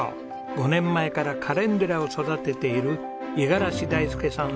５年前からカレンデュラを育てている五十嵐大介さん